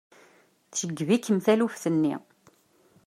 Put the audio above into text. Tceggeb-ikem taluft-nni.